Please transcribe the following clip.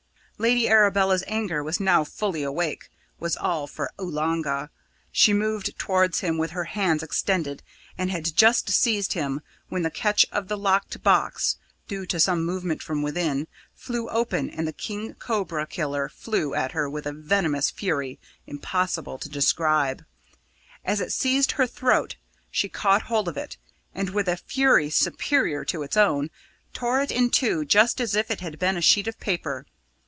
Lady Arabella's anger, now fully awake, was all for Oolanga. She moved towards him with her hands extended, and had just seized him when the catch of the locked box due to some movement from within flew open, and the king cobra killer flew at her with a venomous fury impossible to describe. As it seized her throat, she caught hold of it, and, with a fury superior to its own, tore it in two just as if it had been a sheet of paper.